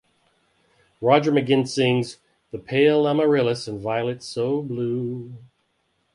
Roger McGuinn sings "...the pale amaryllis and violets so blue".